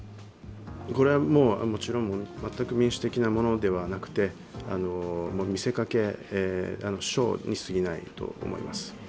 これはもうもちろん全く民主的なものではなくて、見せかけ、ショーにすぎないと思います。